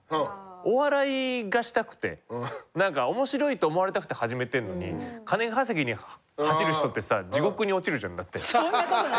お笑いがしたくて面白いと思われたくて始めてるのに金稼ぎに走る人ってさそんなことない。